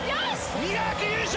ミラーク優勝！